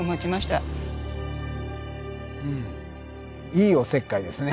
いいおせっかいですね。